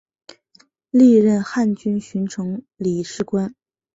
历任汉军巡城理事官。